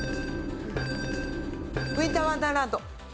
『ウィンターワンダーランド』。